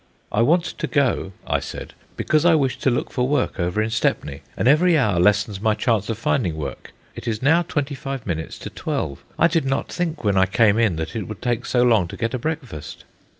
"I want to go," I said, "because I wish to look for work over in Stepney, and every hour lessens my chance of finding work. It is now twenty five minutes to twelve. I did not think when I came in that it would take so long to get a breakfast."